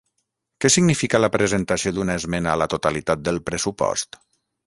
Què significa la presentació d'una esmena a la totalitat del pressupost?